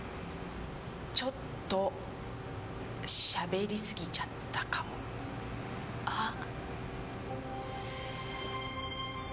ちょっとしゃべりすぎちゃったかも。は？